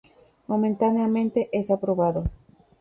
Momentáneamente, es aprobado.